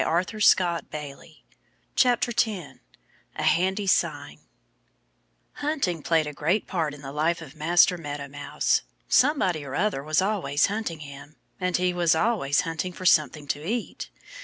10 A Handy Sign HUNTING played a great part in the life of Master Meadow Mouse. Somebody or other was always hunting him. And he was always hunting for something to eat.